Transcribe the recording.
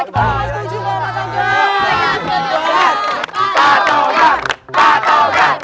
pak jaya pak jaya